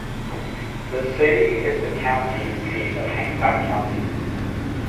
The city is the county seat of Hancock County.